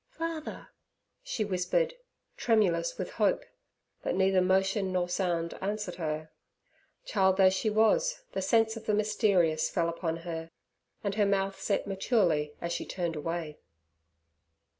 'Father' she whispered, tremulous with hope; but neither motion nor sound answered her. Child though she was, the sense of the mysterious fell upon her, and her mouth set maturely as she turned away.